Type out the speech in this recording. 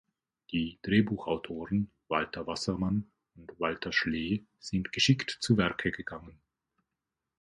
Die Drehbuchautoren Walter Wassermann und Walter Schlee sind geschickt zu Werke gegangen.